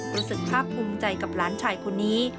รู้สึกภาพภูมิใจกับหลานชายคนนี้